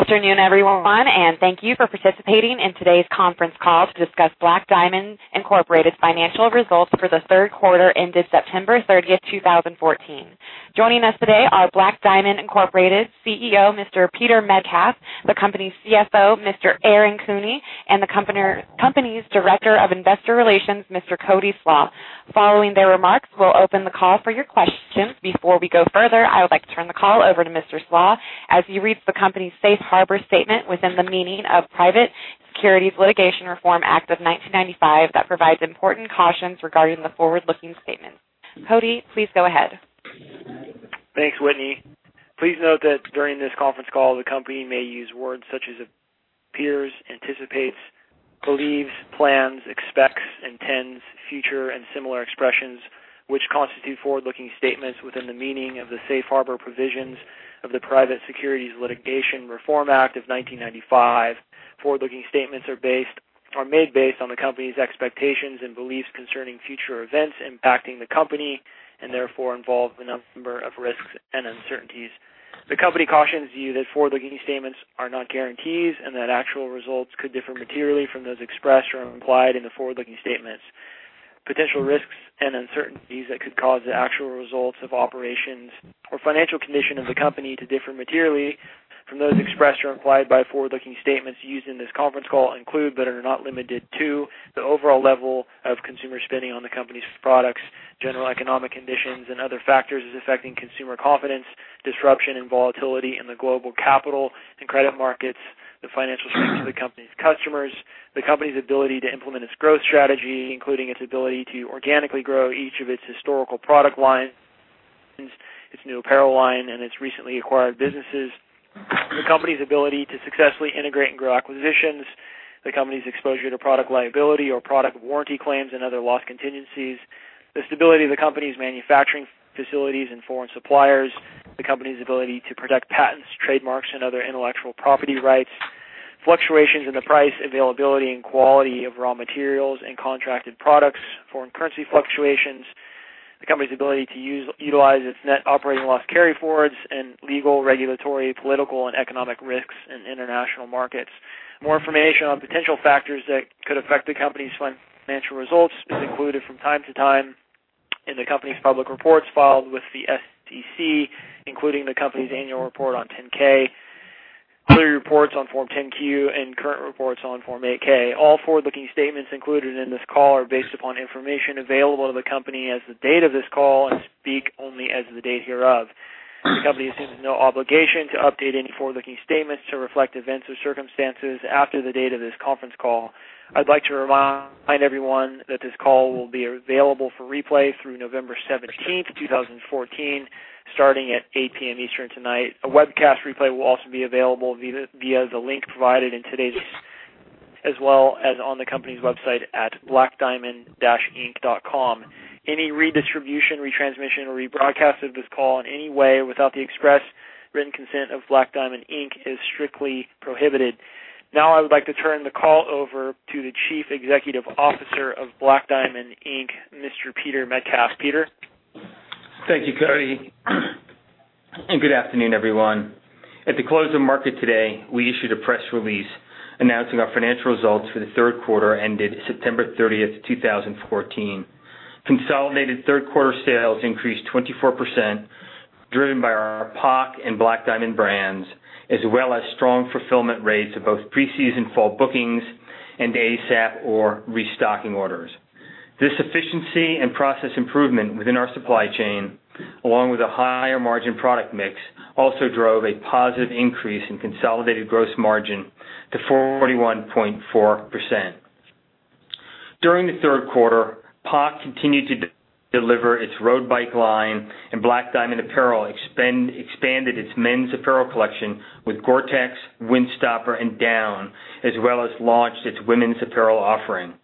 Good afternoon, everyone, and thank you for participating in today's conference call to discuss Black Diamond, Inc.'s financial results for the third quarter ended September 30, 2014. Joining us today are Black Diamond, Inc. CEO, Mr. Peter Metcalf, the company's CFO, Mr. Aaron Coonan, and the company's Director of Investor Relations, Mr. Cody Slach. Following their remarks, we will open the call for your questions. Before we go further, I would like to turn the call over to Mr. Slach as he reads the company's safe harbor statement within the meaning of Private Securities Litigation Reform Act of 1995 that provides important cautions regarding the forward-looking statements. Cody, please go ahead. Thanks, Whitney. Please note that during this conference call, the company may use words such as appears, anticipates, believes, plans, expects, intends, future, and similar expressions, which constitute forward-looking statements within the meaning of the safe harbor provisions of the Private Securities Litigation Reform Act of 1995. Forward-looking statements are made based on the company's expectations and beliefs concerning future events impacting the company. Therefore, involve a number of risks and uncertainties. The company cautions you that forward-looking statements are not guarantees. That actual results could differ materially from those expressed or implied in the forward-looking statements. Potential risks and uncertainties that could cause the actual results of operations or financial condition of the company to differ materially from those expressed or implied by forward-looking statements used in this conference call include, but are not limited to, the overall level of consumer spending on the company's products, general economic conditions, and other factors affecting consumer confidence, disruption and volatility in the global capital and credit markets, the financial strength of the company's customers, the company's ability to implement its growth strategy, including its ability to organically grow each of its historical product lines, its new apparel line, and its recently acquired businesses. The company's ability to successfully integrate and grow acquisitions. The company's exposure to product liability or product warranty claims and other loss contingencies. The stability of the company's manufacturing facilities and foreign suppliers. The company's ability to protect patents, trademarks, and other intellectual property rights. Fluctuations in the price, availability, and quality of raw materials and contracted products. Foreign currency fluctuations. The company's ability to utilize its net operating loss carryforwards in legal, regulatory, political, and economic risks in international markets. More information on potential factors that could affect the company's financial results is included from time to time in the company's public reports filed with the SEC, including the company's annual report on 10-K, quarterly reports on Form 10-Q, and current reports on Form 8-K. All forward-looking statements included in this call are based upon information available to the company as of the date of this call and speak only as of the date hereof. The company assumes no obligation to update any forward-looking statements to reflect events or circumstances after the date of this conference call. I'd like to remind everyone that this call will be available for replay through November 17th, 2014, starting at 8:00 P.M. Eastern tonight. A webcast replay will also be available via the link provided in today's as well as on the company's website at blackdiamond-inc.com. Any redistribution, retransmission, or rebroadcast of this call in any way without the express written consent of Black Diamond, Inc. is strictly prohibited. Now I would like to turn the call over to the Chief Executive Officer, Black Diamond, Inc., Mr. Peter Metcalf. Peter? Thank you, Cody. Good afternoon, everyone. At the close of market today, we issued a press release announcing our financial results for the third quarter ended September 30th, 2014. Consolidated third quarter sales increased 24%, driven by our POC and Black Diamond brands, as well as strong fulfillment rates of both pre-season fall bookings and ASAP or restocking orders. This efficiency and process improvement within our supply chain, along with a higher margin product mix, also drove a positive increase in consolidated gross margin to 41.4%. During the third quarter, POC continued to deliver its road AVIP line, and Black Diamond Apparel expanded its men's apparel collection with GORE-TEX, WINDSTOPPER, and Down, as well as launched its women's apparel offering.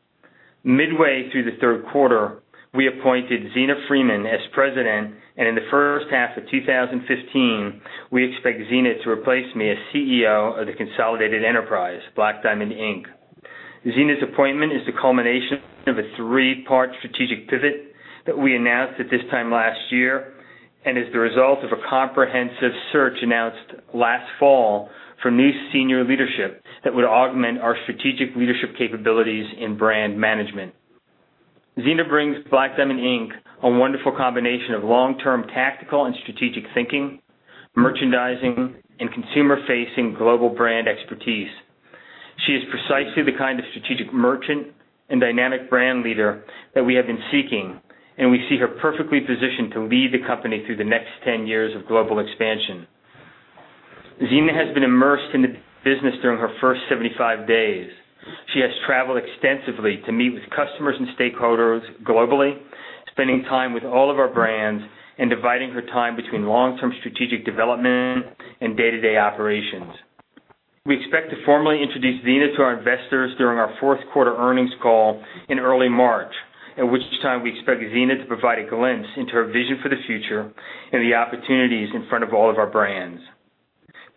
Midway through the third quarter, we appointed Zeena Freeman as President. In the first half of 2015, we expect Zeena to replace me as CEO of the consolidated enterprise, Black Diamond, Inc. Zeena's appointment is the culmination of a three-part strategic pivot that we announced at this time last year and is the result of a comprehensive search announced last fall for new senior leadership that would augment our strategic leadership capabilities in brand management. Zeena brings Black Diamond, Inc. a wonderful combination of long-term tactical and strategic thinking, merchandising, and consumer-facing global brand expertise. She is precisely the kind of strategic merchant and dynamic brand leader that we have been seeking. We see her perfectly positioned to lead the company through the next 10 years of global expansion. Zeena has been immersed in the business during her first 75 days. She has traveled extensively to meet with customers and stakeholders globally, spending time with all of our brands and dividing her time between long-term strategic development and day-to-day operations. We expect to formally introduce Zeena to our investors during our fourth quarter earnings call in early March, at which time we expect Zeena to provide a glimpse into her vision for the future and the opportunities in front of all of our brands.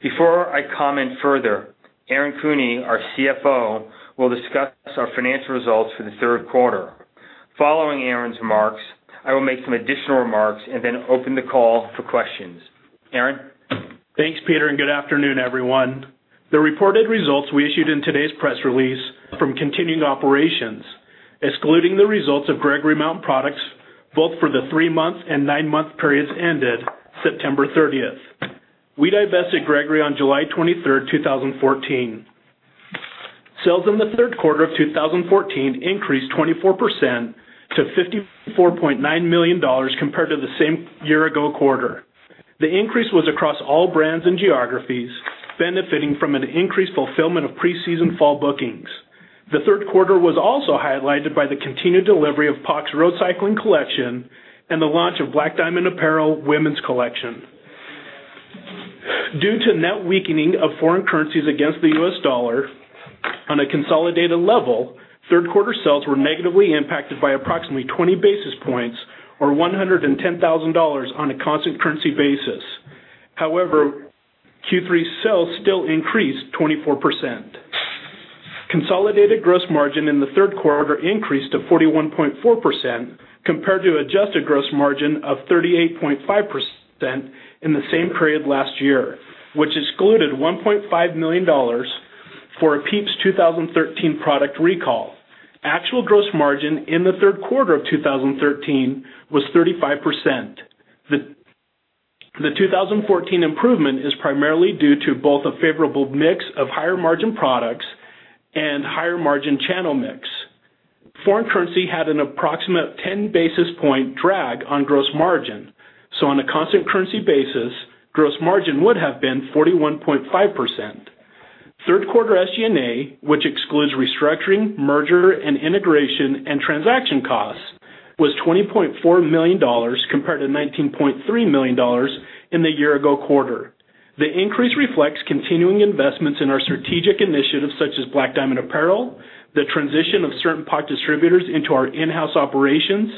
Before I comment further, Aaron Coonan, our CFO, will discuss our financial results for the third quarter. Following Aaron's remarks, I will make some additional remarks and then open the call for questions. Aaron? Thanks, Peter, and good afternoon, everyone. The reported results we issued in today's press release from continuing operations, excluding the results of Gregory Mountain Products both for the three-month and nine-month periods ended September 30th. We divested Gregory on July 23rd, 2014. Sales in the third quarter of 2014 increased 24% to $54.9 million compared to the same year-ago quarter. The increase was across all brands and geographies, benefiting from an increased fulfillment of pre-season fall bookings. The third quarter was also highlighted by the continued delivery of POC's road cycling collection and the launch of Black Diamond Apparel women's collection. Due to net weakening of foreign currencies against the U.S. dollar on a consolidated level, third quarter sales were negatively impacted by approximately 20 basis points or $110,000 on a constant currency basis. Q3 sales still increased 24%. Consolidated gross margin in the third quarter increased to 41.4% compared to adjusted gross margin of 38.5% in the same period last year, which excluded $1.5 million for a PIEPS 2013 product recall. Actual gross margin in the third quarter of 2013 was 35%. The 2014 improvement is primarily due to both a favorable mix of higher margin products and higher margin channel mix. Foreign currency had an approximate 10 basis point drag on gross margin. On a constant currency basis, gross margin would have been 41.5%. Third quarter SG&A, which excludes restructuring, merger, and integration, and transaction costs, was $20.4 million compared to $19.3 million in the year-ago quarter. The increase reflects continuing investments in our strategic initiatives such as Black Diamond Apparel, the transition of certain POC distributors into our in-house operations,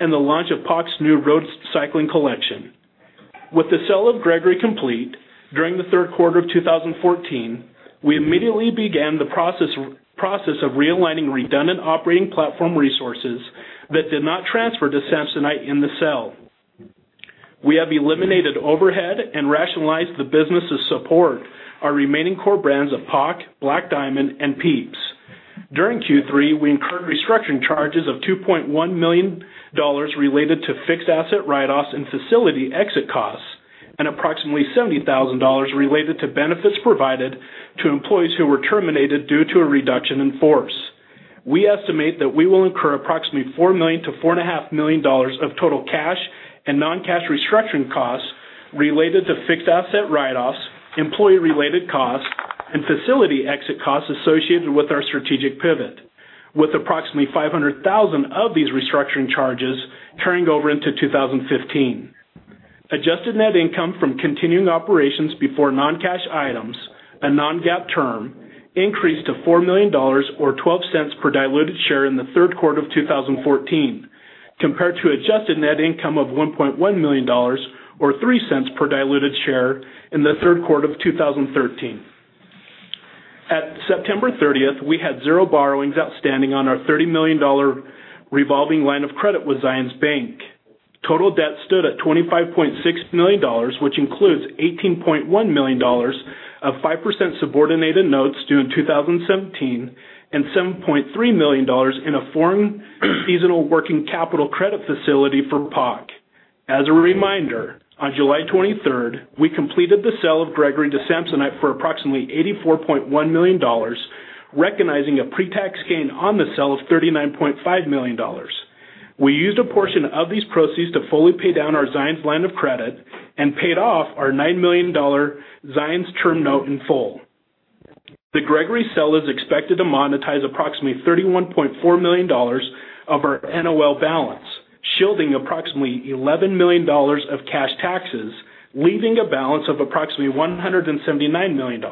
and the launch of POC's new road cycling collection. With the sale of Gregory complete during the third quarter of 2014, we immediately began the process of realigning redundant operating platform resources that did not transfer to Samsonite in the sale. We have eliminated overhead and rationalized the business to support our remaining core brands of POC, Black Diamond, and PIEPS. During Q3, we incurred restructuring charges of $2.1 million related to fixed asset write-offs and facility exit costs, and approximately $70,000 related to benefits provided to employees who were terminated due to a reduction in force. We estimate that we will incur approximately $4 million to $4.5 million of total cash and non-cash restructuring costs related to fixed asset write-offs, employee-related costs, and facility exit costs associated with our strategic pivot, with approximately $500,000 of these restructuring charges carrying over into 2015. Adjusted net income from continuing operations before non-cash items, a non-GAAP term, increased to $4 million, or $0.12 per diluted share in the third quarter of 2014, compared to adjusted net income of $1.1 million or $0.03 per diluted share in the third quarter of 2013. At September 30th, we had zero borrowings outstanding on our $30 million revolving line of credit with Zions Bank. Total debt stood at $25.6 million, which includes $18.1 million of 5% subordinated notes due in 2017, and $7.3 million in a foreign seasonal working capital credit facility for POC. As a reminder, on July 23rd, we completed the sale of Gregory to Samsonite for approximately $84.1 million, recognizing a pre-tax gain on the sale of $39.5 million. We used a portion of these proceeds to fully pay down our Zions line of credit and paid off our $9 million Zions term note in full. The Gregory sale is expected to monetize approximately $31.4 million of our NOL balance, shielding approximately $11 million of cash taxes, leaving a balance of approximately $179 million.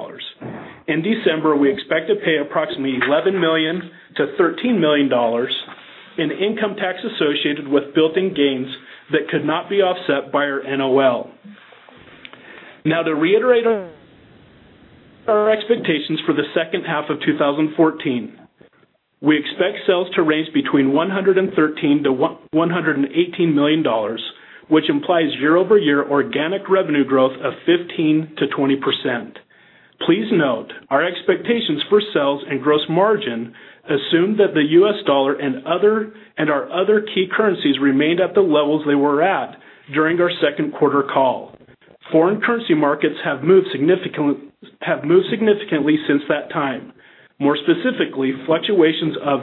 In December, we expect to pay approximately $11 million-$13 million in income tax associated with built-in gains that could not be offset by our NOL. To reiterate our expectations for the second half of 2014. We expect sales to range between $113 million-$118 million, which implies year-over-year organic revenue growth of 15%-20%. Please note our expectations for sales and gross margin assume that the U.S. dollar and our other key currencies remained at the levels they were at during our second quarter call. Foreign currency markets have moved significantly since that time. More specifically, fluctuations of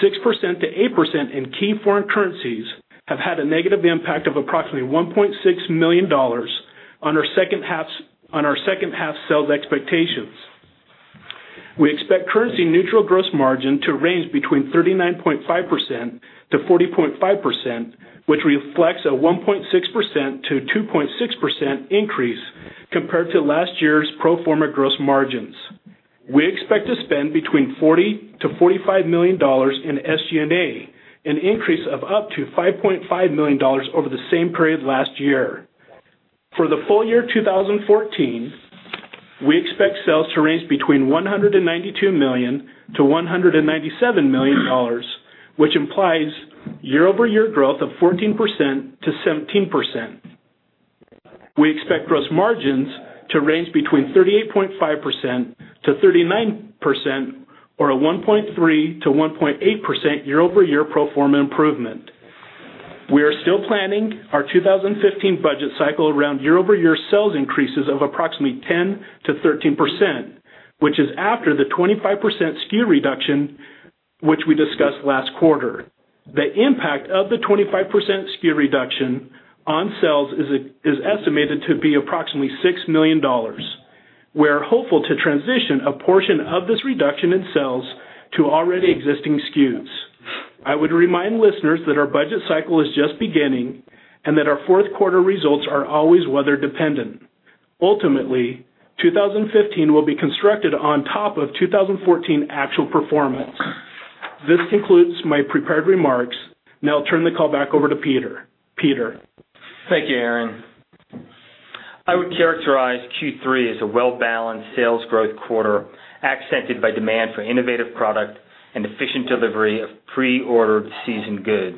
6%-8% in key foreign currencies have had a negative impact of approximately $1.6 million on our second half sales expectations. We expect currency-neutral gross margin to range between 39.5%-40.5%, which reflects a 1.6%-2.6% increase compared to last year's pro forma gross margins. We expect to spend between $40 million-$45 million in SG&A, an increase of up to $5.5 million over the same period last year. For the full year 2014, we expect sales to range between $192 million-$197 million, which implies year-over-year growth of 14%-17%. We expect gross margins to range between 38.5%-39%, or a 1.3%-1.8% year-over-year pro forma improvement. We are still planning our 2015 budget cycle around year-over-year sales increases of approximately 10%-13%, which is after the 25% SKU reduction which we discussed last quarter. The impact of the 25% SKU reduction on sales is estimated to be approximately $6 million. We're hopeful to transition a portion of this reduction in sales to already existing SKUs. I would remind listeners that our budget cycle is just beginning, and that our fourth quarter results are always weather dependent. Ultimately, 2015 will be constructed on top of 2014 actual performance. This concludes my prepared remarks. Now I'll turn the call back over to Peter. Peter? Thank you, Aaron. I would characterize Q3 as a well-balanced sales growth quarter, accented by demand for innovative product and efficient delivery of pre-ordered season goods.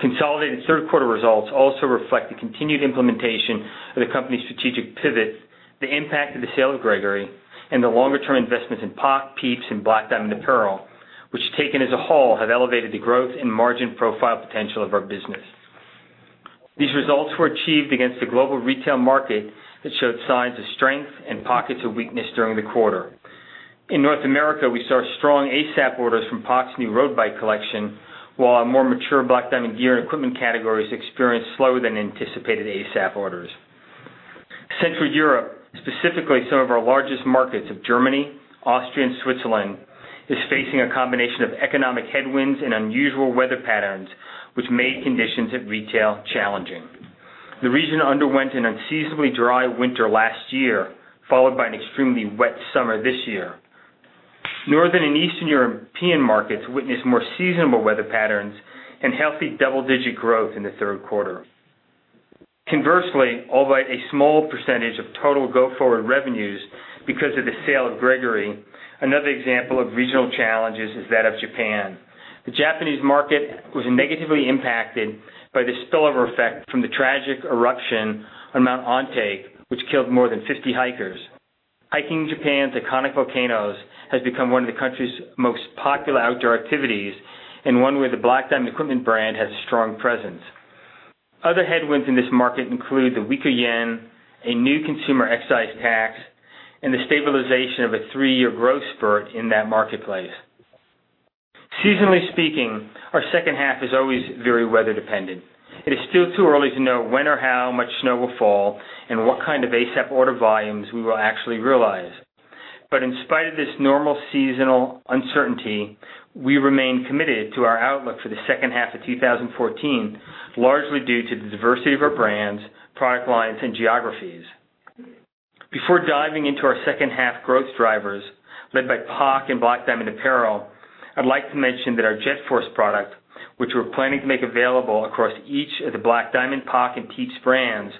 Consolidated third quarter results also reflect the continued implementation of the company's strategic pivot, the impact of the sale of Gregory, and the longer term investments in POC, PIEPS, and Black Diamond Apparel, which taken as a whole, have elevated the growth and margin profile potential of our business. These results were achieved against a global retail market that showed signs of strength and pockets of weakness during the quarter. In North America, we saw strong ASAP orders from POC's new road bike collection, while our more mature Black Diamond gear and equipment categories experienced slower than anticipated ASAP orders. Central Europe, specifically some of our largest markets of Germany, Austria, and Switzerland, is facing a combination of economic headwinds and unusual weather patterns, which made conditions at retail challenging. The region underwent an unseasonably dry winter last year, followed by an extremely wet summer this year. Northern and Eastern European markets witnessed more seasonable weather patterns and healthy double-digit growth in the third quarter. Conversely, although a small percentage of total go forward revenues because of the sale of Gregory, another example of regional challenges is that of Japan. The Japanese market was negatively impacted by the spillover effect from the tragic eruption on Mount Ontake, which killed more than 50 hikers. Hiking Japan's iconic volcanoes has become one of the country's most popular outdoor activities, and one where the Black Diamond Equipment brand has a strong presence. Other headwinds in this market include the weaker yen, a new consumer excise tax, and the stabilization of a three-year growth spurt in that marketplace. Seasonally speaking, our second half is always very weather dependent. It is still too early to know when or how much snow will fall and what kind of ASAP order volumes we will actually realize. In spite of this normal seasonal uncertainty, we remain committed to our outlook for the second half of 2014, largely due to the diversity of our brands, product lines, and geographies. Before diving into our second half growth drivers led by POC and Black Diamond Apparel, I'd like to mention that our JetForce product, which we're planning to make available across each of the Black Diamond, POC, and PIEPS brands,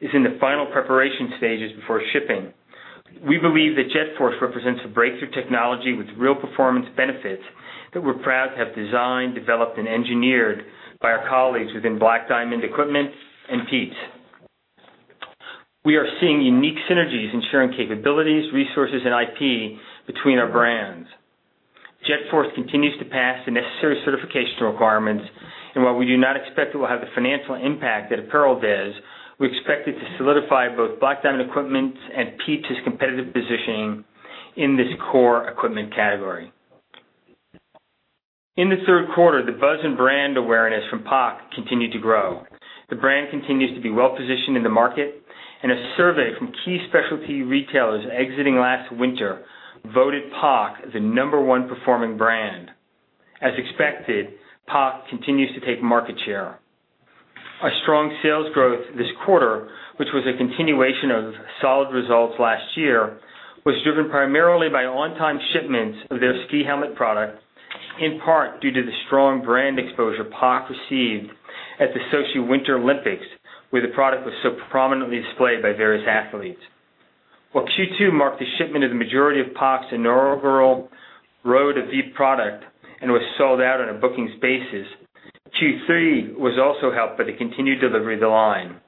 is in the final preparation stages before shipping. We believe that JetForce represents a breakthrough technology with real performance benefits that we're proud to have designed, developed, and engineered by our colleagues within Black Diamond Equipment and PIEPS. We are seeing unique synergies ensuring capabilities, resources, and IP between our brands. JetForce continues to pass the necessary certification requirements, and while we do not expect it will have the financial impact that apparel does, we expect it to solidify both Black Diamond Equipment's and PIEPS' competitive positioning in this core equipment category. In the third quarter, the buzz and brand awareness from POC continued to grow. The brand continues to be well-positioned in the market, and a survey from key specialty retailers exiting last winter voted POC the number 1 performing brand. As expected, POC continues to take market share. Our strong sales growth this quarter, which was a continuation of solid results last year, was driven primarily by on-time shipments of their ski helmet product, in part due to the strong brand exposure POC received at the Sochi Winter Olympics, where the product was so prominently displayed by various athletes. While Q2 marked the shipment of the majority of POC's inaugural road AVIP product and was sold out on a bookings basis, Q3 was also helped by the continued delivery of the line.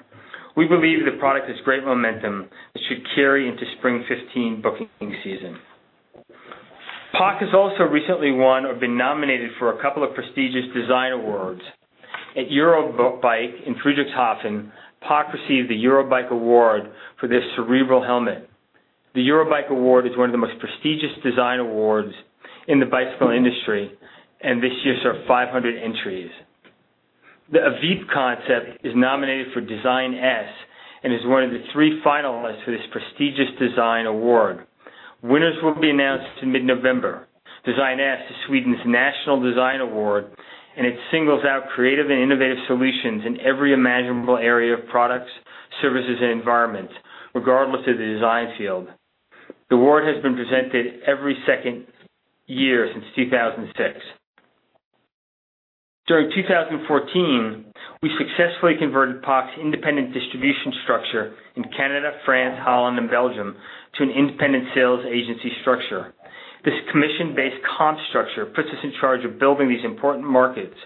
We believe the product has great momentum that should carry into spring 2015 booking season. POC has also recently won or been nominated for a couple of prestigious design awards. At EUROBIKE in Friedrichshafen, POC received the EUROBIKE award for their Cerebel helmet. The EUROBIKE award is one of the most prestigious design awards in the bicycle industry, and this year saw 500 entries. The AVIP concept is nominated for Design S and is one of the three finalists for this prestigious design award. Winners will be announced in mid-November. Design S is Sweden's National Design Award, and it singles out creative and innovative solutions in every imaginable area of products, services, and environments, regardless of the design field. The award has been presented every second year since 2006. During 2014, we successfully converted POC's independent distribution structure in Canada, France, Holland, and Belgium to an independent sales agency structure. This commission-based comp structure puts us in charge of building these important markets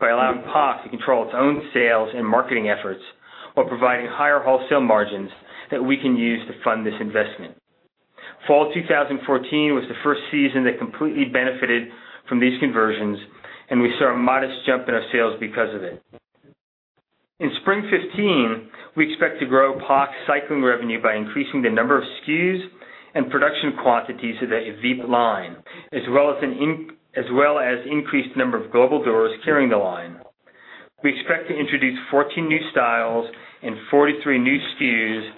by allowing POC to control its own sales and marketing efforts while providing higher wholesale margins that we can use to fund this investment. Fall 2014 was the first season that completely benefited from these conversions, and we saw a modest jump in our sales because of it. In spring 2015, we expect to grow POC's cycling revenue by increasing the number of SKUs and production quantities of the AVIP line, as well as increased number of global doors carrying the line. We expect to introduce 14 new styles and 43 new SKUs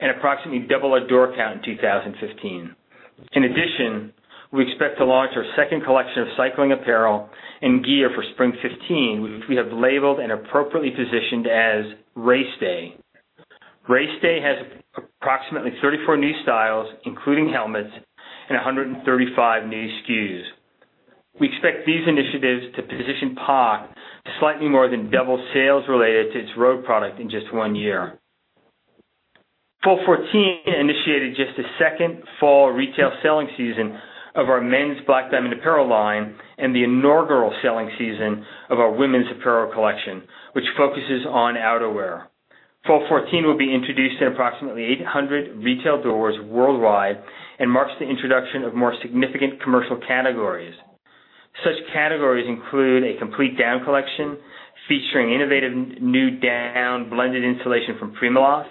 and approximately double our door count in 2015. In addition, we expect to launch our second collection of cycling apparel and gear for spring 2015, which we have labeled and appropriately positioned as Raceday. Raceday has approximately 34 new styles, including helmets, and 135 new SKUs. We expect these initiatives to position POC to slightly more than double sales related to its road product in just one year. Fall 2014 initiated just the second fall retail selling season of our men's Black Diamond Apparel line and the inaugural selling season of our women's apparel collection, which focuses on outerwear. Fall 2014 will be introduced in approximately 800 retail doors worldwide and marks the introduction of more significant commercial categories. Such categories include a complete down collection featuring innovative new down blended insulation from PrimaLoft,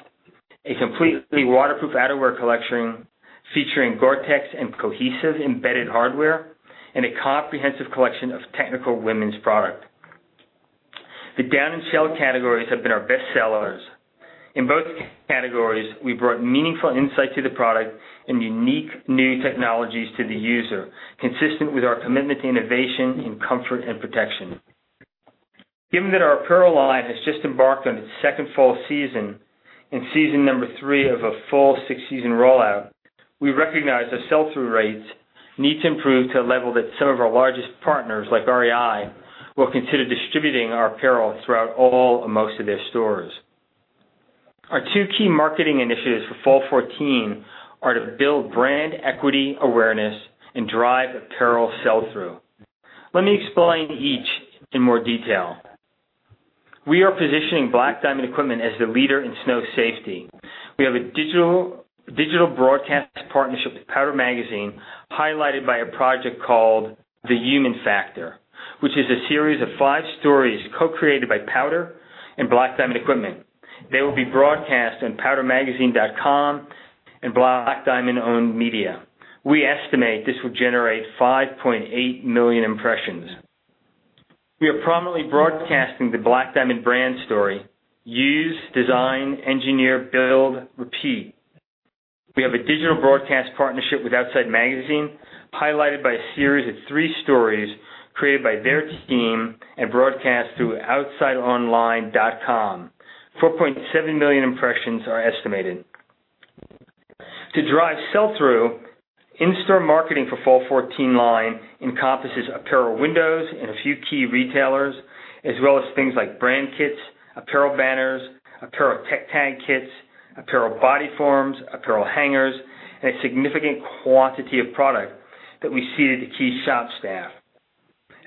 a completely waterproof outerwear collection featuring GORE-TEX and Cohaesive embedded hardware, and a comprehensive collection of technical women's product. The down and shell categories have been our best sellers. In both categories, we brought meaningful insight to the product and unique new technologies to the user, consistent with our commitment to innovation in comfort and protection. Given that our apparel line has just embarked on its second full season and season number 3 of a full six-season rollout, we recognize that sell-through rates need to improve to a level that some of our largest partners, like REI, will consider distributing our apparel throughout all or most of their stores. Our two key marketing initiatives for fall 2014 are to build brand equity awareness and drive apparel sell-through. Let me explain each in more detail. We are positioning Black Diamond Equipment as the leader in snow safety. We have a digital broadcast partnership with Powder Magazine, highlighted by a project called The Human Factor, which is a series of five stories co-created by Powder and Black Diamond Equipment. They will be broadcast on powdermagazine.com and Black Diamond-owned media. We estimate this will generate 5.8 million impressions. We are prominently broadcasting the Black Diamond brand story, Use, Design, Engineer, Build, Repeat. We have a digital broadcast partnership with Outside Magazine, highlighted by a series of three stories created by their team and broadcast through outsideonline.com. 4.7 million impressions are estimated. To drive sell-through, in-store marketing for fall 2014 line encompasses apparel windows in a few key retailers, as well as things like brand kits, apparel banners, apparel tech tag kits, apparel body forms, apparel hangers, and a significant quantity of product that we seeded to key shop staff.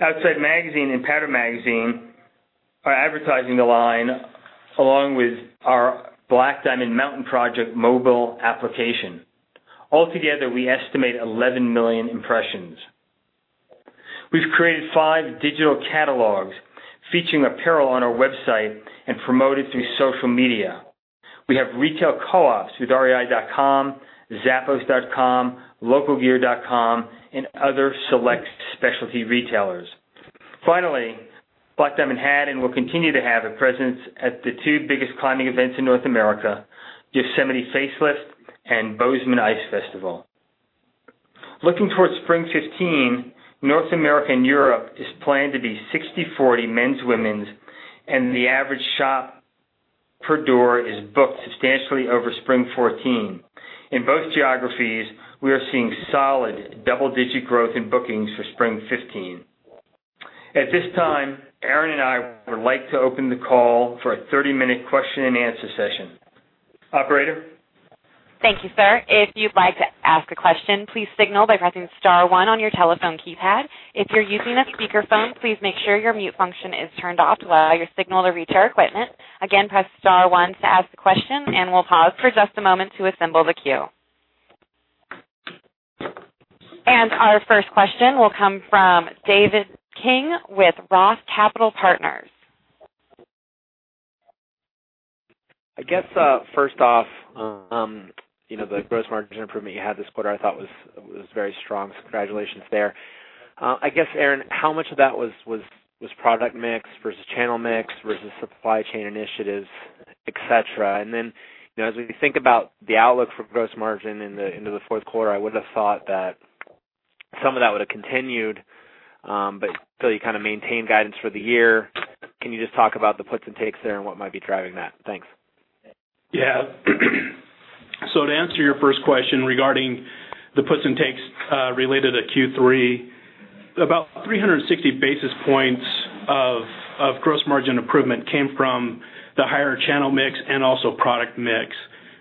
Outside Magazine and Powder Magazine are advertising the line along with our Black Diamond Mountain Project mobile application. Altogether, we estimate 11 million impressions. We've created five digital catalogs featuring apparel on our website and promote it through social media. We have retail co-ops with rei.com, zappos.com, localgear.com, and other select specialty retailers. Finally, Black Diamond had and will continue to have a presence at the two biggest climbing events in North America, Yosemite Facelift and Bozeman Ice Festival. Looking towards spring 2015, North America and Europe is planned to be 60/40 men's, women's, and the average shop per door is booked substantially over spring 2014. In both geographies, we are seeing solid double-digit growth in bookings for spring 2015. At this time, Aaron and I would like to open the call for a 30-minute question-and-answer session. Operator? Thank you, sir. If you'd like to ask a question, please signal by pressing *1 on your telephone keypad. If you're using a speakerphone, please make sure your mute function is turned off to allow your signal to reach our equipment. Again, press *1 to ask the question, and we'll pause for just a moment to assemble the queue. Our first question will come from David King with Roth Capital Partners. I guess, first off, the gross margin improvement you had this quarter I thought was very strong, so congratulations there. I guess, Aaron, how much of that was product mix versus channel mix versus supply chain initiatives, et cetera? Then, as we think about the outlook for gross margin into the fourth quarter, I would have thought that some of that would have continued, but still you kind of maintained guidance for the year. Can you just talk about the puts and takes there and what might be driving that? Thanks. To answer your first question regarding the puts and takes related to Q3, about 360 basis points of gross margin improvement came from the higher channel mix and also product mix.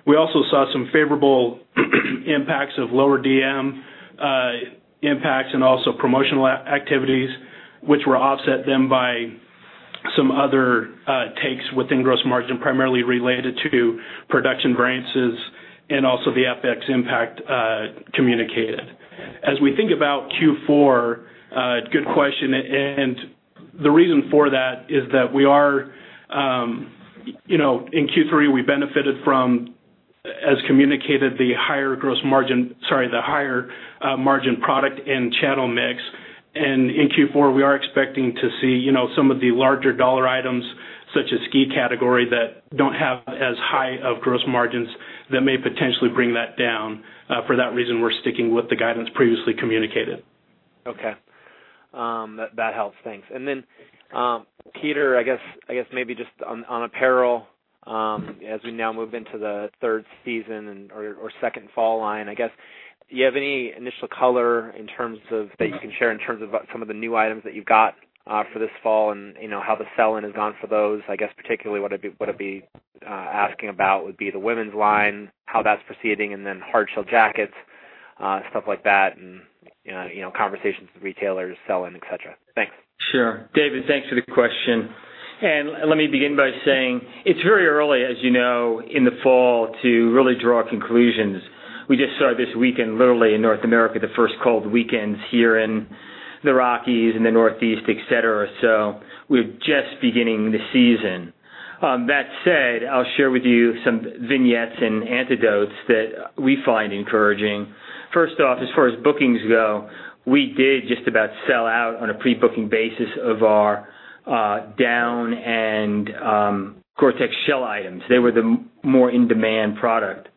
We also saw some favorable impacts of lower DM impacts and also promotional activities, which were offset then by some other takes within gross margin, primarily related to production variances and also the FX impact communicated. As we think about Q4, good question, and the reason for that is that in Q3, we benefited from, as communicated, the higher gross margin, sorry, the higher margin product and channel mix. In Q4, we are expecting to see some of the larger dollar items, such as Ski category, that don't have as high of gross margins that may potentially bring that down. For that reason, we're sticking with the guidance previously communicated. Okay. That helps. Thanks. Peter, I guess maybe just on apparel, as we now move into the third season or second fall line, I guess, do you have any initial color that you can share in terms of some of the new items that you've got for this fall and how the sell-in has gone for those? I guess particularly what I'd be asking about would be the women's line, how that's proceeding, and then hardshell jackets, stuff like that, and conversations with retailers, sell-in, et cetera. Thanks. Sure. David, thanks for the question. Let me begin by saying it's very early, as you know, in the fall to really draw conclusions. We just saw this weekend, literally in North America, the first cold weekends here in the Rockies and the Northeast, et cetera. We're just beginning the season. That said, I'll share with you some vignettes and antidotes that we find encouraging. First off, as far as bookings go, we did just about sell out on a pre-booking basis of our down and GORE-TEX shell items. They were the more in-demand product.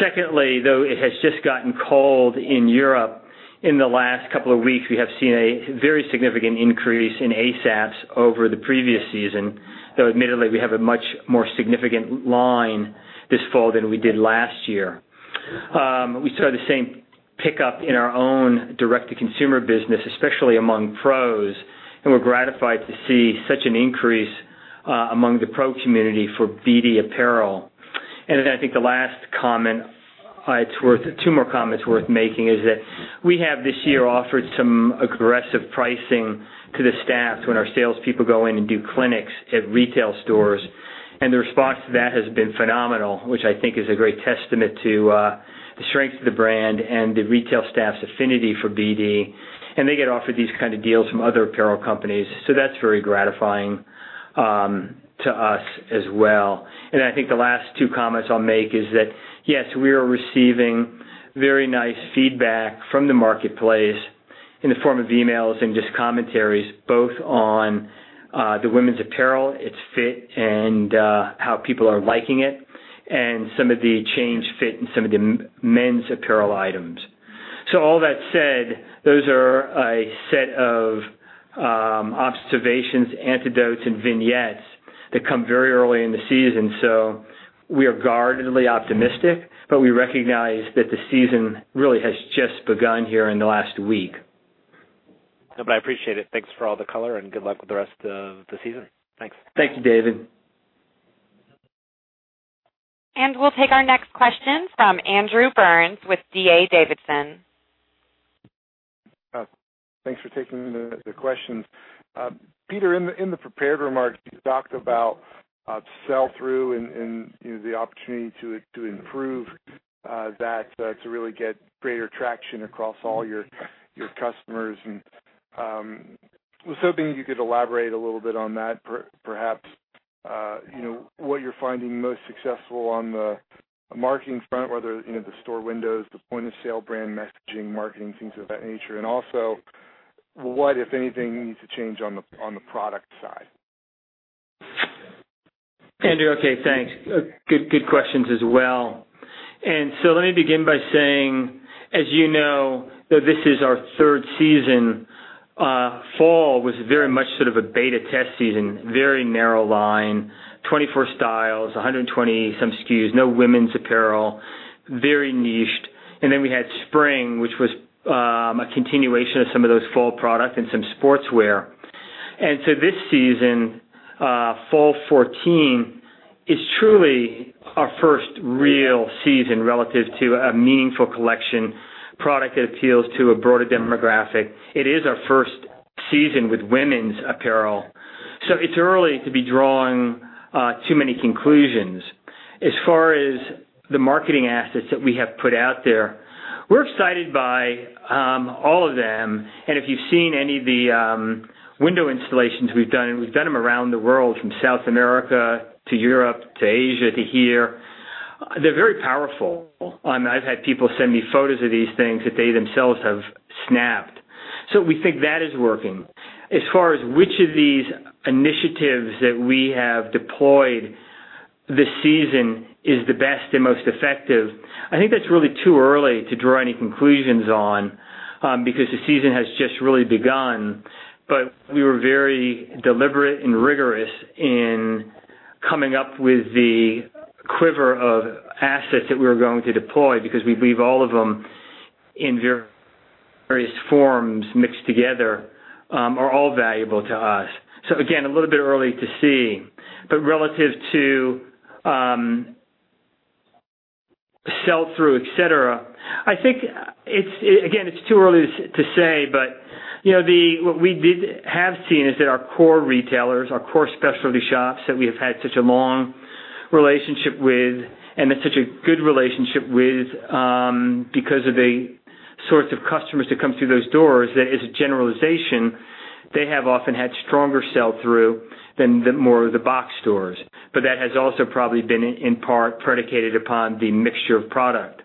Secondly, though it has just gotten cold in Europe in the last couple of weeks, we have seen a very significant increase in ASAPs over the previous season, though admittedly, we have a much more significant line this fall than we did last year. We saw the same pickup in our own direct-to-consumer business, especially among pros, and we're gratified to see such an increase among the pro community for BD apparel. I think the last comment, two more comments worth making is that we have this year offered some aggressive pricing to the staff when our salespeople go in and do clinics at retail stores. The response to that has been phenomenal, which I think is a great testament to the strength of the brand and the retail staff's affinity for BD. They get offered these kind of deals from other apparel companies. That's very gratifying to us as well. I think the last two comments I'll make is that, yes, we are receiving very nice feedback from the marketplace in the form of emails and just commentaries, both on the women's apparel, its fit, and how people are liking it, and some of the changed fit in some of the men's apparel items. All that said, those are a set of observations, anecdotes, and vignettes that come very early in the season. We are guardedly optimistic, but we recognize that the season really has just begun here in the last week. I appreciate it. Thanks for all the color, good luck with the rest of the season. Thanks. Thank you, David. We'll take our next question from Andrew Burns with D.A. Davidson. Thanks for taking the questions. Peter, in the prepared remarks, you talked about sell-through and the opportunity to improve that to really get greater traction across all your customers and was hoping you could elaborate a little bit on that, perhaps what you're finding most successful on the marketing front, whether the store windows, the point-of-sale brand messaging, marketing, things of that nature. Also, what, if anything, needs to change on the product side? Andrew, okay, thanks. Good questions as well. Let me begin by saying, as you know, though this is our third season, fall was very much sort of a beta test season, very narrow line, 24 styles, 120 some SKUs, no women's apparel, very niched. We had spring, which was a continuation of some of those fall products and some sportswear. This season, fall 2014, is truly our first real season relative to a meaningful collection, product that appeals to a broader demographic. It is our first season with women's apparel. It's early to be drawing too many conclusions. As far as the marketing assets that we have put out there, we're excited by all of them. If you've seen any of the window installations we've done, and we've done them around the world from South America to Europe to Asia to here, they're very powerful. I've had people send me photos of these things that they themselves have snapped. We think that is working. As far as which of these initiatives that we have deployed The season is the best and most effective. I think that's really too early to draw any conclusions on, because the season has just really begun. We were very deliberate and rigorous in coming up with the quiver of assets that we were going to deploy, because we believe all of them, in various forms mixed together, are all valuable to us. Again, a little bit early to see. Relative to sell-through, et cetera, I think, again, it's too early to say. What we have seen is that our core retailers, our core specialty shops that we have had such a long relationship with, and such a good relationship with, because of the sorts of customers that come through those doors, that as a generalization, they have often had stronger sell-through than more of the box stores. That has also probably been, in part, predicated upon the mixture of product.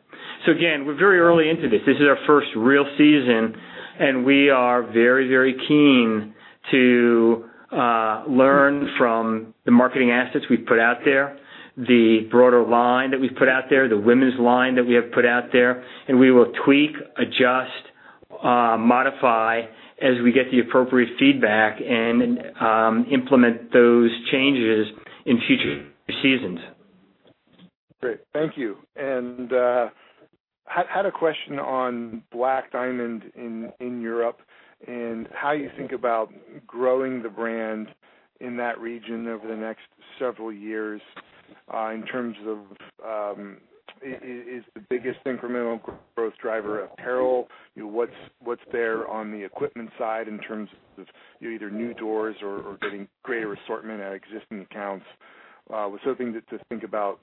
Again, we're very early into this. This is our first real season, and we are very keen to learn from the marketing assets we've put out there, the broader line that we've put out there, the women's line that we have put out there. We will tweak, adjust, modify as we get the appropriate feedback, and implement those changes in future seasons. Great. Thank you. Had a question on Black Diamond in Europe, and how you think about growing the brand in that region over the next several years, in terms of, is the biggest incremental growth driver apparel? What's there on the equipment side in terms of either new doors or getting greater assortment at existing accounts? Was hoping to think about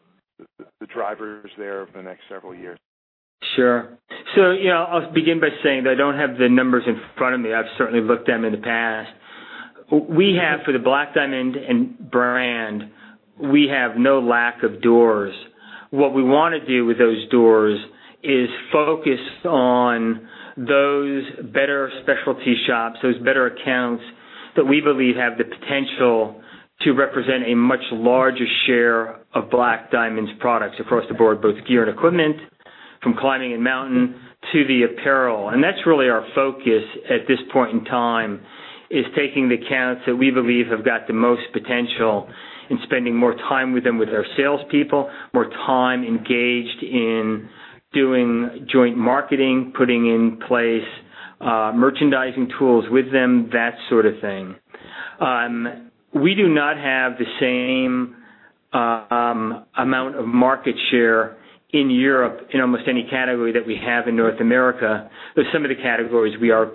the drivers there over the next several years. Sure. Yeah, I'll begin by saying that I don't have the numbers in front of me. I've certainly looked at them in the past. We have, for the Black Diamond brand, we have no lack of doors. What we want to do with those doors is focus on those better specialty shops, those better accounts, that we believe have the potential to represent a much larger share of Black Diamond's products across the board, both gear and equipment, from Climbing and Mountain, to the apparel. That's really our focus at this point in time, is taking the accounts that we believe have got the most potential, and spending more time with them with our salespeople, more time engaged in doing joint marketing, putting in place merchandising tools with them, that sort of thing. We do not have the same amount of market share in Europe in almost any category that we have in North America. Some of the categories we are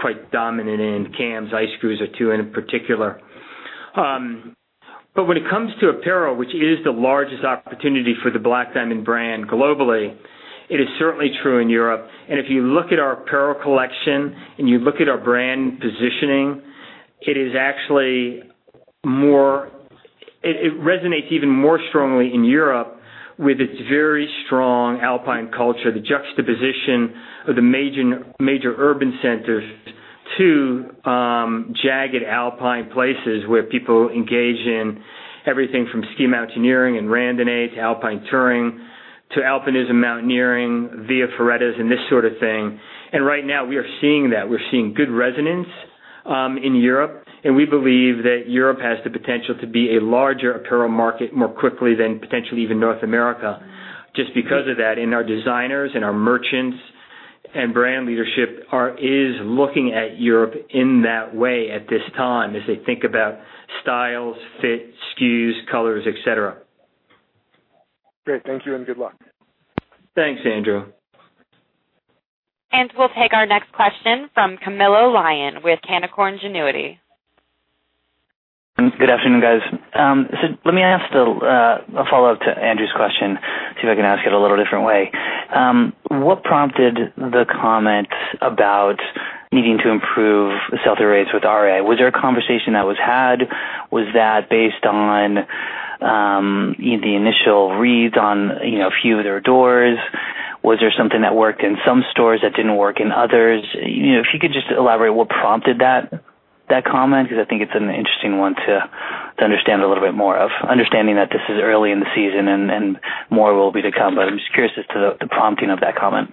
quite dominant in. Cams, ice screws are two in particular. When it comes to apparel, which is the largest opportunity for the Black Diamond brand globally, it is certainly true in Europe. If you look at our apparel collection, and you look at our brand positioning, it resonates even more strongly in Europe with its very strong alpine culture. The juxtaposition of the major urban centers to jagged alpine places where people engage in everything from ski mountaineering and randonnée, to alpine touring, to alpinism, mountaineering, via ferratas and this sort of thing. Right now we are seeing that. We're seeing good resonance in Europe, we believe that Europe has the potential to be a larger apparel market more quickly than potentially even North America, just because of that. Our designers and our merchants and brand leadership is looking at Europe in that way at this time as they think about styles, fit, SKUs, colors, et cetera. Great. Thank you and good luck. Thanks, Andrew. We'll take our next question from Camilo Lyon with Canaccord Genuity. Good afternoon, guys. Let me ask a follow-up to Andrew's question, see if I can ask it a little different way. What prompted the comment about needing to improve the sell-through rates with REI? Was there a conversation that was had? Was that based on the initial reads on a few of their doors? Was there something that worked in some stores that didn't work in others? If you could just elaborate what prompted that comment, because I think it's an interesting one to understand a little bit more of, understanding that this is early in the season and more will be to come. I'm just curious as to the prompting of that comment.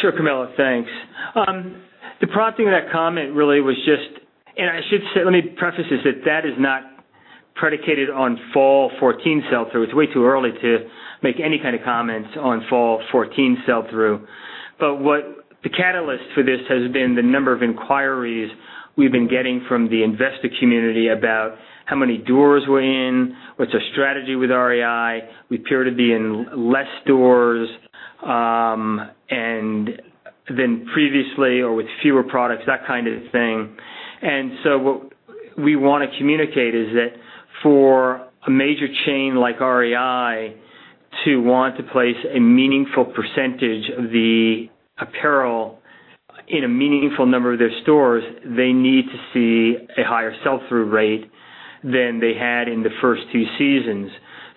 Sure, Camilo. Thanks. The prompting of that comment really was just, and let me preface this, that is not predicated on fall 2014 sell-through. It is way too early to make any kind of comments on fall 2014 sell-through. The catalyst for this has been the number of inquiries we have been getting from the investor community about how many doors we are in, what is our strategy with REI, we appear to be in less stores than previously or with fewer products, that kind of thing. What we want to communicate is that for a major chain like REI to want to place a meaningful percentage of the apparel in a meaningful number of their stores, they need to see a higher sell-through rate than they had in the first two seasons.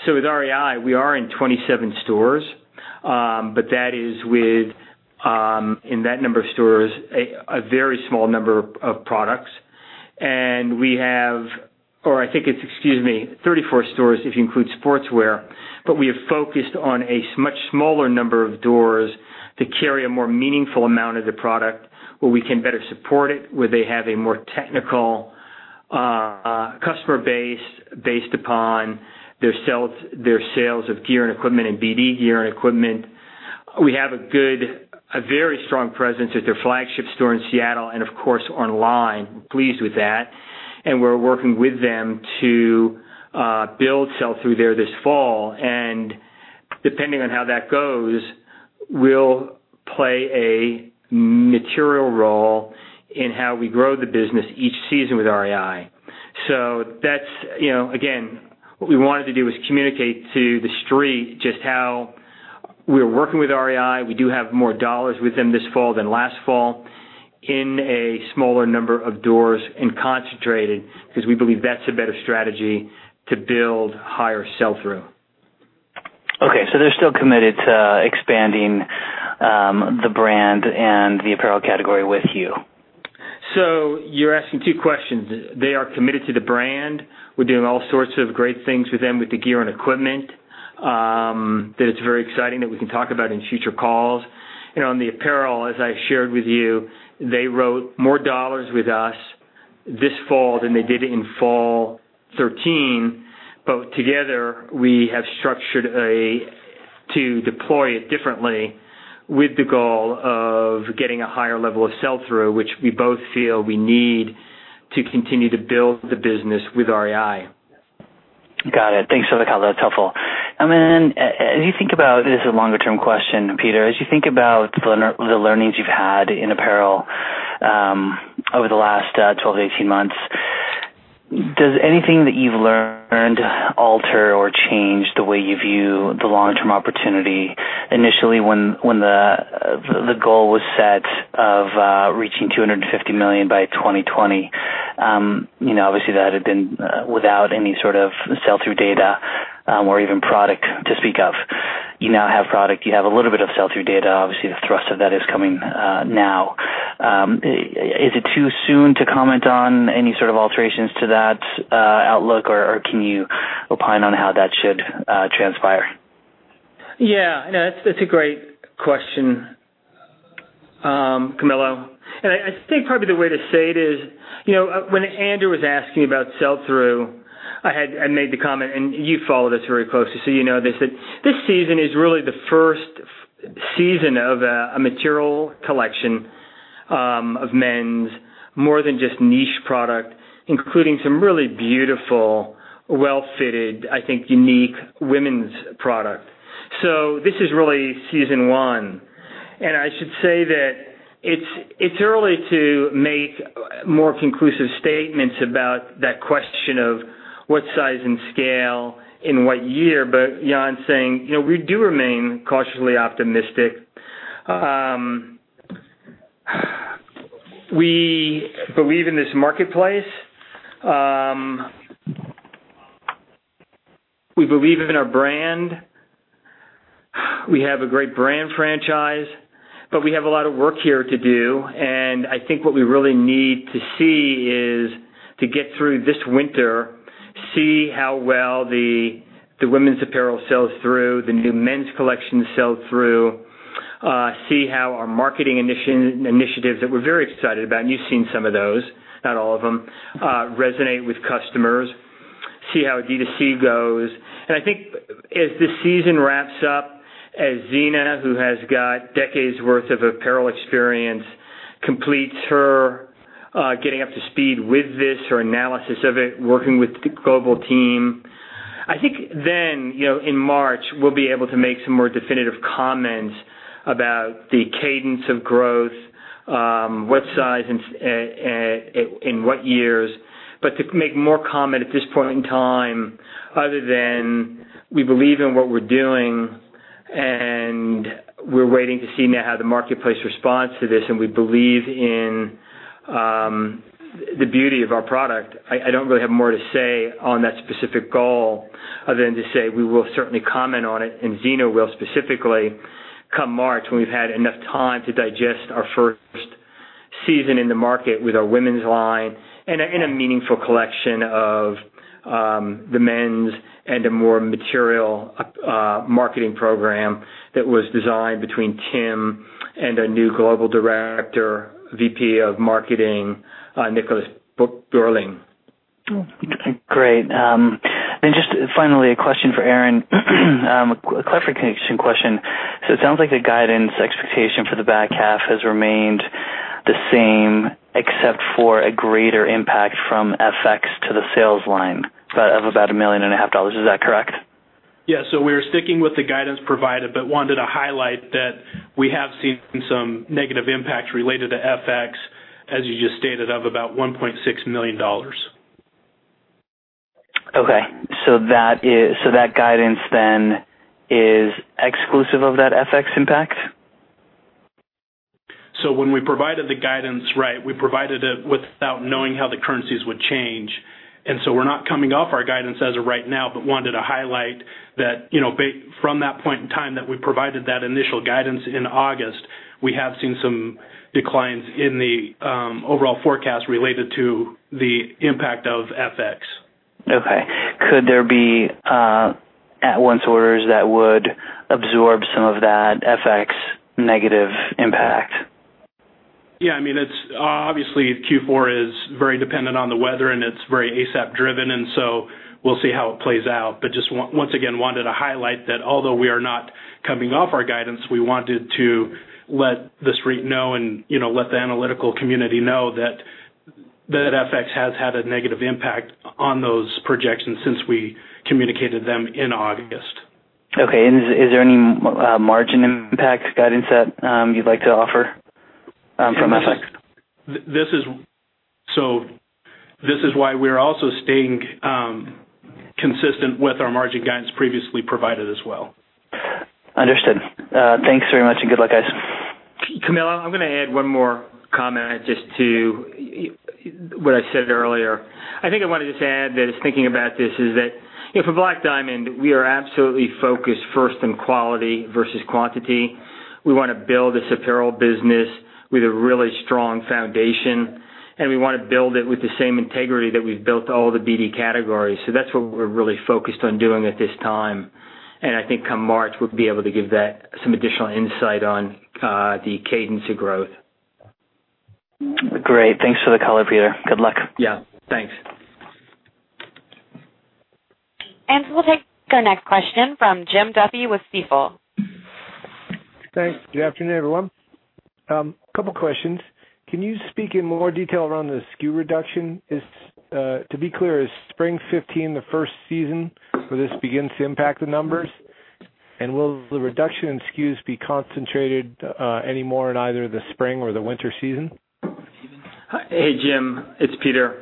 With REI, we are in 27 stores. That is with, in that number of stores, a very small number of products. I think it is, excuse me, 34 stores if you include sportswear, but we have focused on a much smaller number of doors to carry a more meaningful amount of the product, where we can better support it, where they have a more technical customer base based upon their sales of gear and equipment and BD gear and equipment. We have a very strong presence at their flagship store in Seattle, and of course, online. Pleased with that. We are working with them to build sell-through there this fall. Depending on how that goes, we will play a material role in how we grow the business each season with REI. That is, again, what we wanted to do was communicate to the street just how we are working with REI. We do have more dollars with them this fall than last fall in a smaller number of doors and concentrated, because we believe that is a better strategy to build higher sell-through. They are still committed to expanding the brand and the apparel category with you. You're asking two questions. They are committed to the brand. We're doing all sorts of great things with them with the gear and equipment that is very exciting, that we can talk about in future calls. On the apparel, as I shared with you, they wrote more dollars with us this fall than they did in fall 2013. Together, we have structured to deploy it differently with the goal of getting a higher level of sell-through, which we both feel we need to continue to build the business with REI. Got it. Thanks for the color. That's helpful. As you think about, this is a longer-term question, Peter. As you think about the learnings you've had in apparel over the last 12 to 18 months, does anything that you've learned alter or change the way you view the long-term opportunity? Initially, when the goal was set of reaching $250 million by 2020. Obviously, that had been without any sort of sell-through data or even product to speak of. You now have product, you have a little bit of sell-through data. Obviously, the thrust of that is coming now. Is it too soon to comment on any sort of alterations to that outlook, or can you opine on how that should transpire? That's a great question, Camilo. I think probably the way to say it is, when Andrew was asking about sell-through, I made the comment, and you follow this very closely, so you know this. That this season is really the first season of a material collection of men's, more than just niche product, including some really beautiful, well-fitted, I think, unique women's product. This is really season 1. I should say that it's early to make more conclusive statements about that question of what size and scale in what year. Jan's saying we do remain cautiously optimistic. We believe in this marketplace. We believe in our brand. We have a great brand franchise, but we have a lot of work here to do. I think what we really need to see is to get through this winter, see how well the women's apparel sells through, the new men's collection sells through, see how our marketing initiatives that we're very excited about, and you've seen some of those, not all of them, resonate with customers. See how D2C goes. I think as this season wraps up, as Zeena, who has got decades worth of apparel experience, completes her getting up to speed with this, her analysis of it, working with the global team. I think then, in March, we'll be able to make some more definitive comments about the cadence of growth, what size and what years. To make more comment at this point in time, other than we believe in what we're doing and we're waiting to see now how the marketplace responds to this, and we believe in the beauty of our product. I don't really have more to say on that specific goal other than to say we will certainly comment on it, and Zeena will specifically come March, when we've had enough time to digest our first season in the market with our women's line and a meaningful collection of the men's and a more material marketing program that was designed between Tim and a new global director, VP of Marketing, Nicholas Burling. Great. Just finally, a question for Aaron. A clarification question. It sounds like the guidance expectation for the back half has remained the same, except for a greater impact from FX to the sales line of about $1.5 million. Is that correct? Yes. We're sticking with the guidance provided, but wanted to highlight that we have seen some negative impacts related to FX, as you just stated, of about $1.6 million. Okay. That guidance then is exclusive of that FX impact? When we provided the guidance, we provided it without knowing how the currencies would change. We're not coming off our guidance as of right now, but wanted to highlight that from that point in time that we provided that initial guidance in August, we have seen some declines in the overall forecast related to the impact of FX. Okay. Could there be at-once orders that would absorb some of that FX negative impact? Yeah. Obviously, Q4 is very dependent on the weather, it's very ASAP driven, we'll see how it plays out. Just once again, wanted to highlight that although we are not coming off our guidance, we wanted to let the street know, and let the analytical community know that FX has had a negative impact on those projections since we communicated them in August. Okay. Is there any margin impact guidance that you'd like to offer from FX? This is why we're also staying consistent with our margin guidance previously provided as well. Understood. Thanks very much, and good luck, guys. Camilo, I'm going to add one more comment just to what I said earlier. I wanted to add that, just thinking about this, is that for Black Diamond, we are absolutely focused first on quality versus quantity. We want to build this apparel business with a really strong foundation, and we want to build it with the same integrity that we've built all the BD categories. That's what we're really focused on doing at this time. I think come March, we'll be able to give that some additional insight on the cadence of growth. Great. Thanks for the color, Peter. Good luck. Yeah. Thanks. We'll take our next question from Jim Duffy with Stifel. Thanks. Good afternoon, everyone. Couple questions. Can you speak in more detail around the SKU reduction? To be clear, is spring 2015 the first season where this begins to impact the numbers? Will the reduction in SKUs be concentrated any more in either the spring or the winter season? Hey, Jim. It's Peter.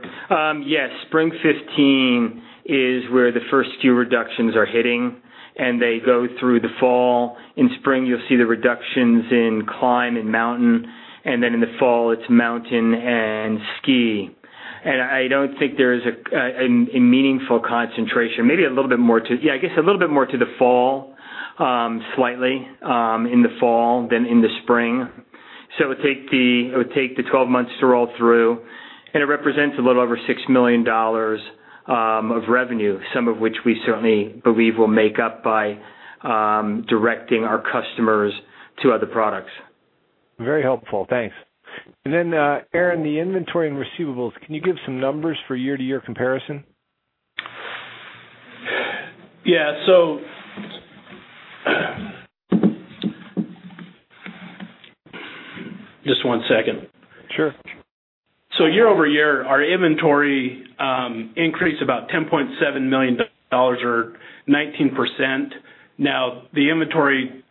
Yes. Spring 2015 is where the first few reductions are hitting, they go through the fall. In spring, you'll see the reductions in Climb and Mountain, then in the fall, it's Mountain and Ski. I don't think there is a meaningful concentration. Maybe a little bit more to the fall, yeah, I guess, a little bit more to the fall, slightly, in the fall than in the spring. It would take the 12 months to roll through, it represents a little over $6 million of revenue, some of which we certainly believe we'll make up by directing our customers to other products. Very helpful. Thanks. Aaron, the inventory and receivables, can you give some numbers for year-to-year comparison? Yeah. Just one second. Sure. Year-over-year, our inventory increased about $10.7 million, or 19%. Now, the inventory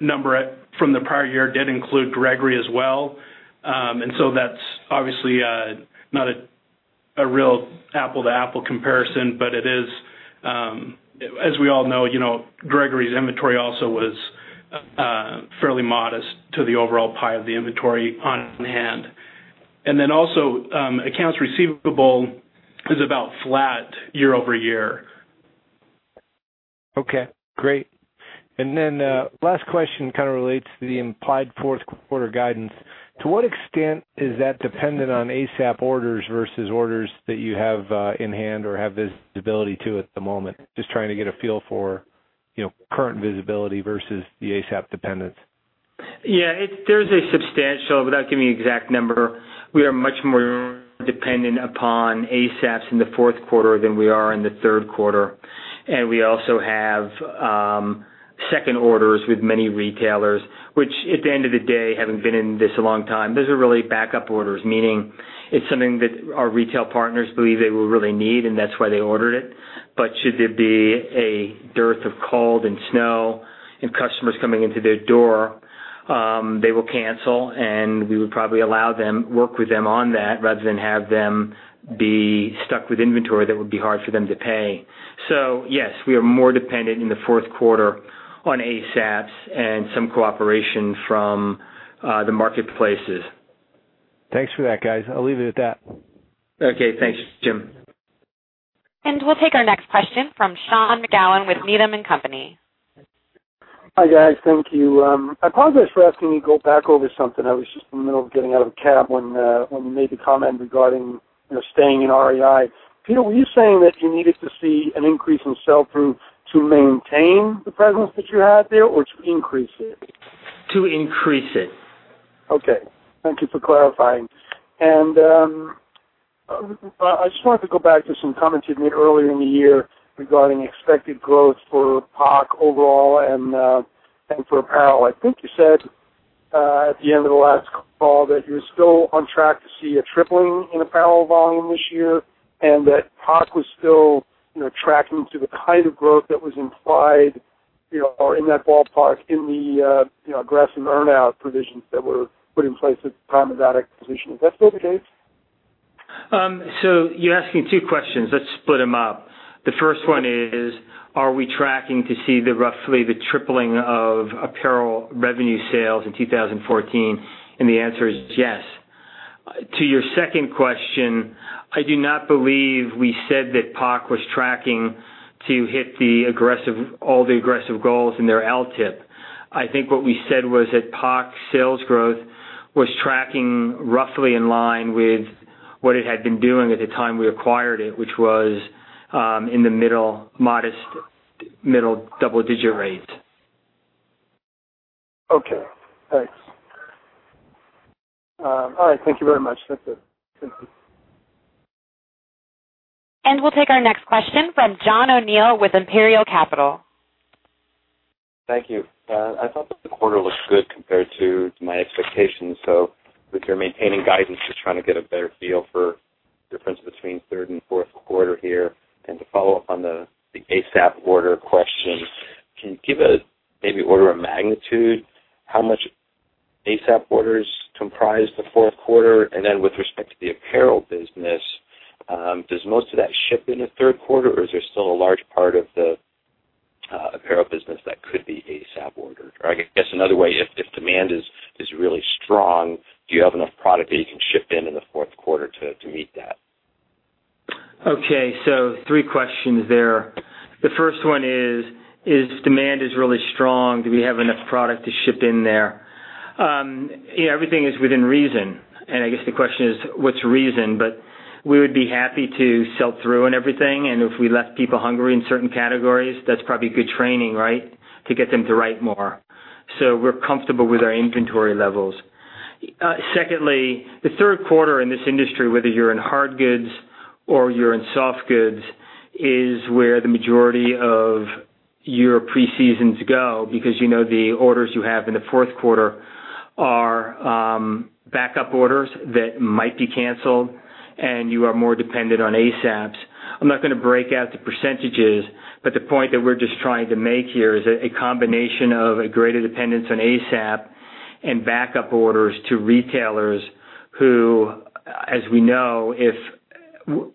number from the prior year did include Gregory as well. That's obviously not a real apple to apple comparison, but as we all know, Gregory's inventory also was fairly modest to the overall pie of the inventory on hand. Also, accounts receivable is about flat year-over-year. Okay, great. Last question kind of relates to the implied fourth quarter guidance. To what extent is that dependent on ASAP orders versus orders that you have in hand or have visibility to at the moment? Just trying to get a feel for current visibility versus the ASAP dependence. Yeah. There's a substantial, without giving an exact number, we are much more dependent upon ASAPs in the fourth quarter than we are in the third quarter. We also have second orders with many retailers, which at the end of the day, having been in this a long time, those are really backup orders, meaning it's something that our retail partners believe they will really need, and that's why they ordered it. Should there be a dearth of cold and snow and customers coming into their door, they will cancel, and we would probably allow them, work with them on that rather than have them be stuck with inventory that would be hard for them to pay. Yes, we are more dependent in the fourth quarter on ASAPs and some cooperation from the marketplaces. Thanks for that, guys. I'll leave it at that. Okay. Thanks, Jim. We'll take our next question from Sean McGowan with Needham & Company. Hi, guys. Thank you. I apologize for asking you to go back over something. I was just in the middle of getting out of a cab when you made the comment regarding staying in REI. Peter, were you saying that you needed to see an increase in sell-through to maintain the presence that you had there or to increase it? To increase it. Okay. Thank you for clarifying. I just wanted to go back to some comments you made earlier in the year regarding expected growth for POC overall and for apparel. I think you said at the end of the last call that you're still on track to see a tripling in apparel volume this year, and that POC was still tracking to the kind of growth that was implied or in that ballpark in the aggressive earn-out provisions that were put in place at the time of that acquisition. Is that still the case? You're asking two questions. Let's split them up. The first one is, are we tracking to see the roughly the tripling of apparel revenue sales in 2014? The answer is yes. To your second question, I do not believe we said that POC was tracking to hit all the aggressive goals in their LTIP. I think what we said was that POC sales growth was tracking roughly in line with what it had been doing at the time we acquired it, which was in the middle modest, middle double-digit rates. Okay, thanks. All right, thank you very much. That's it. We'll take our next question from John O'Neill with Imperial Capital. Thank you. I thought that the quarter looked good compared to my expectations. With your maintaining guidance, just trying to get a better feel for difference between third and fourth quarter here. To follow up on the ASAP order question, can you give maybe order of magnitude, how much ASAP orders comprise the fourth quarter? Then with respect to the apparel business, does most of that ship in the third quarter or is there still a large part of the apparel business that could be ASAP order? I guess another way, if demand is really strong, do you have enough product that you can ship in the fourth quarter to meet that? Okay, three questions there. The first one is, if demand is really strong, do we have enough product to ship in there? Yeah, everything is within reason, and I guess the question is, what's reason? We would be happy to sell through on everything, and if we left people hungry in certain categories, that's probably good training, right? To get them to write more. We're comfortable with our inventory levels. Secondly, the third quarter in this industry, whether you're in hard goods or you're in soft goods, is where the majority of your preseasons go because you know the orders you have in the fourth quarter are backup orders that might be canceled, and you are more dependent on ASAPs. I'm not going to break out the percentages, but the point that we're just trying to make here is that a combination of a greater dependence on ASAP and backup orders to retailers who, as we know, if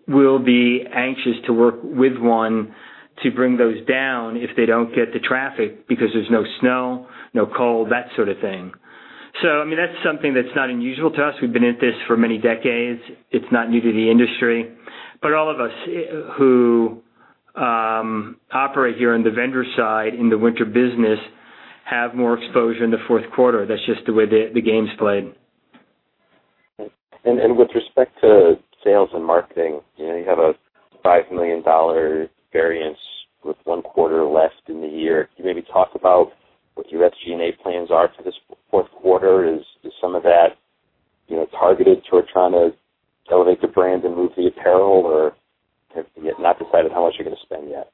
will be anxious to work with one to bring those down if they don't get the traffic because there's no snow, no cold, that sort of thing. I mean, that's something that's not unusual to us. We've been at this for many decades. It's not new to the industry. All of us who operate here on the vendor side in the winter business have more exposure in the fourth quarter. That's just the way the game's played. With respect to sales and marketing, you have a $5 million variance with one quarter left in the year. Can you maybe talk about what your SG&A plans are for this fourth quarter? Is some of that targeted toward trying to elevate the brand and move the apparel, or have you not decided how much you're going to spend yet?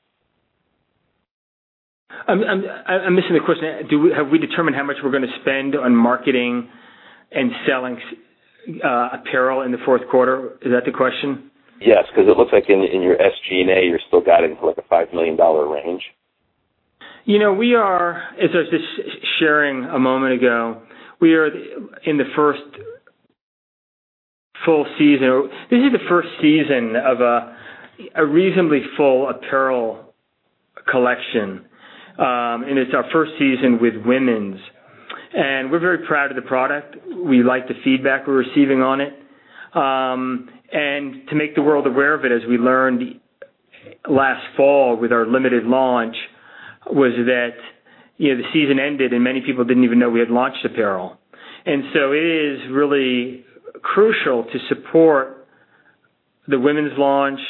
I'm missing the question. Have we determined how much we're going to spend on marketing and selling apparel in the fourth quarter? Is that the question? Yes, because it looks like in your SG&A, you're still guiding for like a $5 million range. As I was just sharing a moment ago, we are in the first full season. This is the first season of a reasonably full apparel collection. It's our first season with women's. We're very proud of the product. We like the feedback we're receiving on it. To make the world aware of it, as we learned last fall with our limited launch, was that the season ended and many people didn't even know we had launched apparel. It is really crucial to support the women's launch,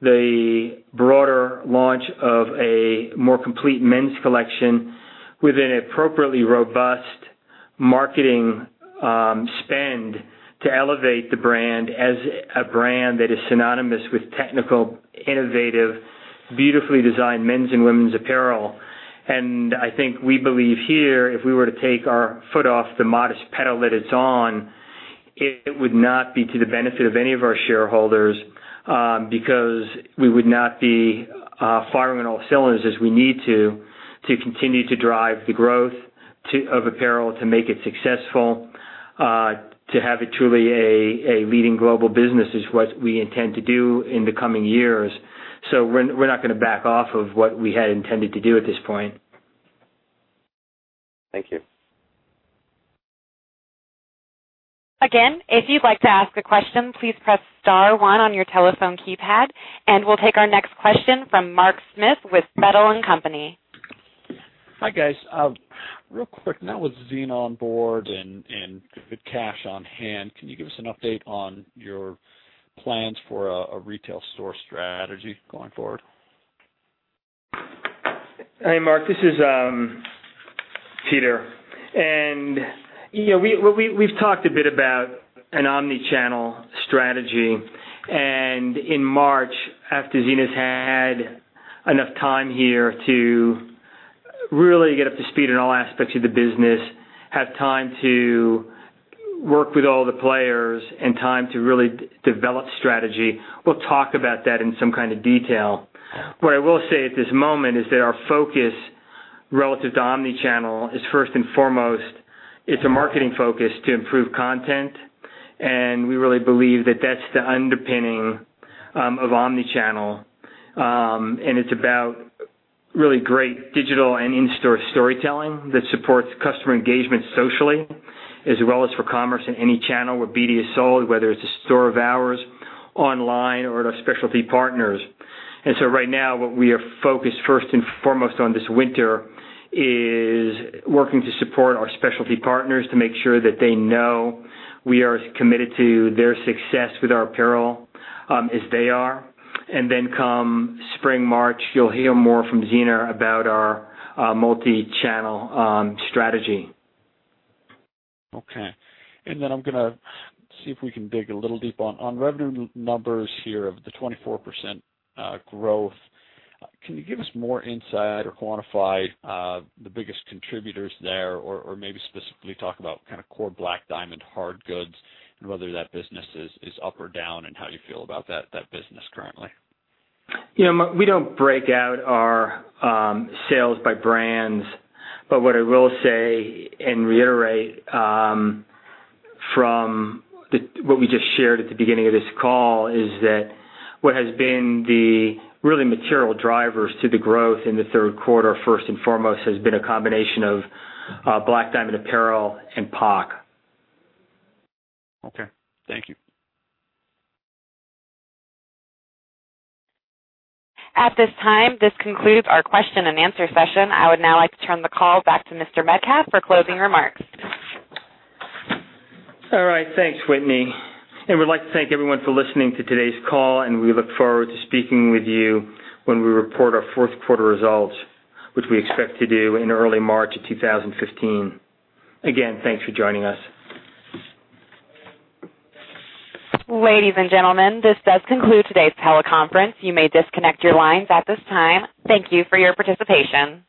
the broader launch of a more complete men's collection with an appropriately robust marketing spend to elevate the brand as a brand that is synonymous with technical, innovative, beautifully designed men's and women's apparel. I think we believe here, if we were to take our foot off the modest pedal that it's on, it would not be to the benefit of any of our shareholders because we would not be firing on all cylinders as we need to continue to drive the growth of apparel, to make it successful, to have it truly a leading global business is what we intend to do in the coming years. We're not going to back off of what we had intended to do at this point. Thank you. Again, if you'd like to ask a question, please press star one on your telephone keypad. We'll take our next question from Mark Smith with Feltl and Company. Hi, guys. Real quick. Now with Zeena on board and good cash on hand, can you give us an update on your plans for a retail store strategy going forward? Hey, Mark, this is Peter. We've talked a bit about an omni-channel strategy. In March, after Zeena's had enough time here to really get up to speed on all aspects of the business, have time to work with all the players and time to really develop strategy, we'll talk about that in some kind of detail. What I will say at this moment is that our focus relative to omni-channel is first and foremost, it's a marketing focus to improve content, and we really believe that that's the underpinning of omni-channel. It's about really great digital and in-store storytelling that supports customer engagement socially, as well as for commerce in any channel where BD is sold, whether it's a store of ours, online or at our specialty partners. Right now what we are focused first and foremost on this winter is working to support our specialty partners to make sure that they know we are as committed to their success with our apparel as they are. Come spring, March, you'll hear more from Zeena about our multi-channel strategy. Okay. I'm going to see if we can dig a little deeper. On revenue numbers here of the 24% growth, can you give us more insight or quantify the biggest contributors there, or maybe specifically talk about core Black Diamond hard goods and whether that business is up or down and how you feel about that business currently? Mark, we don't break out our sales by brands. What I will say and reiterate from what we just shared at the beginning of this call is that what has been the really material drivers to the growth in the third quarter, first and foremost, has been a combination of Black Diamond Apparel and POC. Okay. Thank you. At this time, this concludes our question and answer session. I would now like to turn the call back to Mr. Metcalf for closing remarks. All right. Thanks, Whitney. We'd like to thank everyone for listening to today's call, and we look forward to speaking with you when we report our fourth quarter results, which we expect to do in early March of 2015. Again, thanks for joining us. Ladies and gentlemen, this does conclude today's teleconference. You may disconnect your lines at this time. Thank you for your participation.